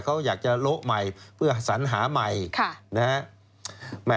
เขาอยากจะโละใหม่เพื่อสัญหาใหม่นะฮะ